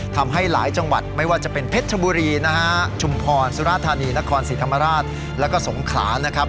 ทำให้หลายจังหวัดไม่ว่าจะเป็นเพชรชบุรีนะฮะชุมพรสุราธานีนครศรีธรรมราชแล้วก็สงขลานะครับ